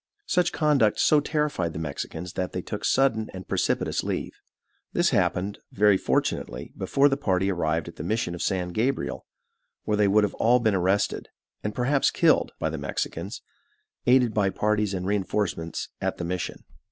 Such conduct so terrified the Mexicans that they took sudden and precipitous leave. This happened, very fortunately, before the party arrived at the mission of San Gabriel, where they would all have been arrested, and perhaps killed, by the Mexicans, aided by parties and reinforcements at the mission.